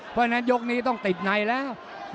เพราะฉะนั้นยกนี้ต้องติดในแล้ว